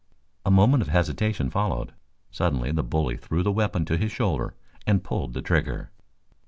A moment of hesitation followed. Suddenly the bully threw the weapon to his shoulder and pulled the trigger.